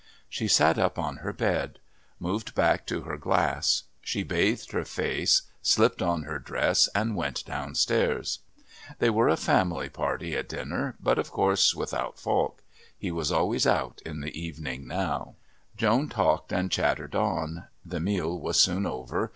She sat up on her bed; moved back to her glass. She bathed her face, slipped on her dress, and went downstairs. They were a family party at dinner, but, of course, without Falk. He was always out in the evening now. Joan talked, chattered on. The meal was soon over.